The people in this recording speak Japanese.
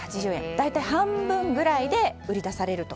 大体半分ぐらいで売り出されると。